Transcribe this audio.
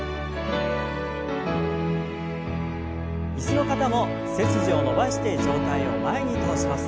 椅子の方も背筋を伸ばして上体を前に倒します。